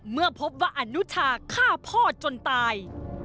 เมื่อพบว่าอนุชาฆ่าพ่อจนตาย